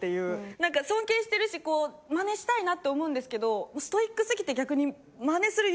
なんか尊敬してるしこうマネしたいなって思うんですけどストイックすぎて逆に。